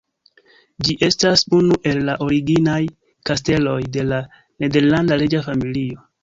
Ĝi estas unu el la originaj kasteloj de la nederlanda reĝa familio.